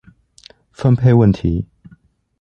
分配問題